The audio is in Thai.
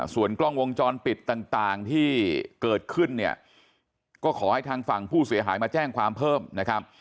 ส่วนกล้องวงจรปิดต่างที่เกิดขึ้นเนี่ยก็ขอให้ทางฝั่งผู้เสียหายมาแจ้งความเพิ่มนะครับ